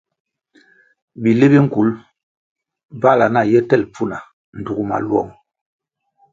Bili bi nkul bvãhla na ye tel pfuna dug maluong.